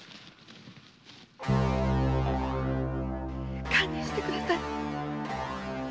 〔堪忍してください！〕